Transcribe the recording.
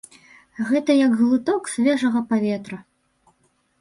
Гэта як глыток свежага паветра!